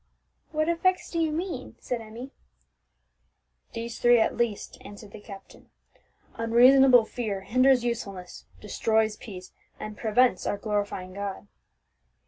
"What effects do you mean?" said Emmie. "These three at least," answered the captain. "Unreasonable fear hinders usefulness, destroys peace, and prevents our glorifying God."